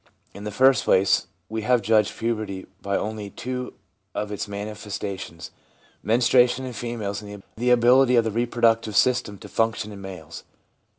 In the first place, we have judged puberty by only two of its manifestations, menstruation in females and the ability of the reproductive system to function in males.